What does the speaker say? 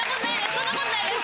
そんな事ないです！